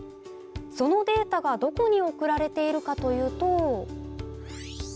そのデータがどこに送られているかというと。